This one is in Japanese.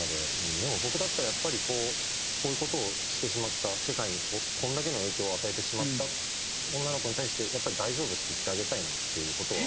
でも僕だったらやっぱりこうこういう事をしてしまった世界にこれだけの影響を与えてしまった女の子に対してやっぱり「大丈夫」って言ってあげたいなっていう事は。